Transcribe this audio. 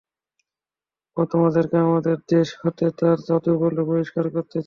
এ তোমাদেরকে তোমাদের দেশ হতে তার জাদুবলে বহিষ্কার করতে চায়।